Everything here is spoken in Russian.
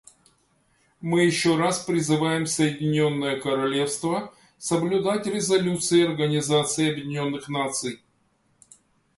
Мы еще раз призываем Соединенное Королевство соблюдать резолюции Организации Объединенных Наций.